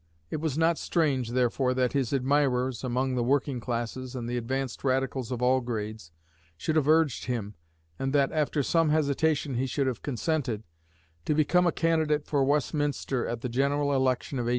It was not strange, therefore, that his admirers among the working classes, and the advanced radicals of all grades, should have urged him, and that, after some hesitation, he should have consented, to become a candidate for Westminster at the general election of 1865.